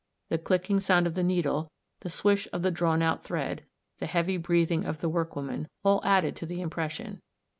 The clicking sound of the needle, the swish of the drawn out thread, the heavy breathing of the workwoman, all added to the impression.